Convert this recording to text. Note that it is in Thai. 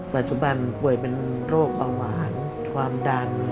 ปัจจุบันป่วยเป็นโรคเบาหวานความดัน